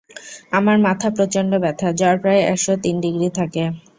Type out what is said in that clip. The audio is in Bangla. আমার মাথা প্রচন্ড ব্যথা, জ্বর প্রায় একশো তিন ডিগ্রি থাকে।